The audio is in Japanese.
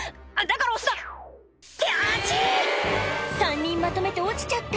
３人まとめて落ちちゃった